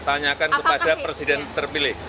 tanyakan kepada presiden terpilih